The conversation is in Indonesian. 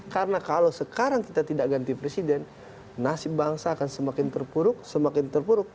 karena kalau sekarang kita tidak ganti presiden nasib bangsa akan semakin terpuruk semakin terpuruk